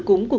của việt nam